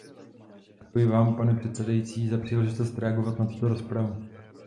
Děkuji vám, pane předsedající, za příležitost reagovat na tuto rozpravu.